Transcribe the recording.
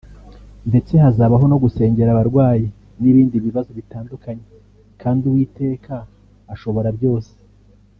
ndetse hazabaho no gusengera abarwayi n'ibindi bibazo bitandukanye kandi Uwiteka ashobora byose